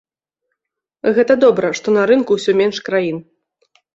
Гэта добра, што на рынку ўсё менш краін.